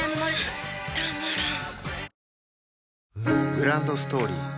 グランドストーリー